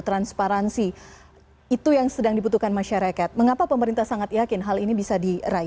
transparansi itu yang sedang dibutuhkan masyarakat mengapa pemerintah sangat yakin hal ini bisa diraih